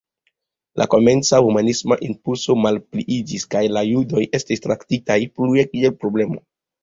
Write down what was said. La komenca humanisma impulso malpliiĝis kaj la judoj estis traktitaj plue kiel „problemo”.